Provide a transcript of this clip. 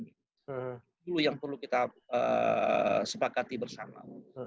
itu yang perlu kita sepakati bersama